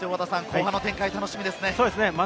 後半の展開も楽しみですね。